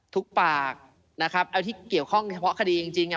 ทุกปากนะครับเอาที่เกี่ยวข้องเฉพาะคดีจริง